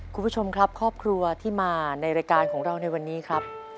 คุณผู้ชมครับครอบครัวที่มาในรายการของเราในวันนี้ครับ